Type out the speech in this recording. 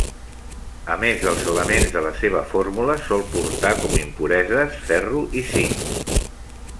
A més dels elements de la seva fórmula, sol portar com impureses: ferro i zinc.